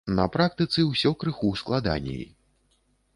На практыцы ўсё крыху складаней.